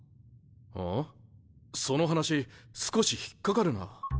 その話少し引っ掛かるな。